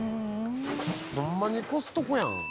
ホンマにコストコやん。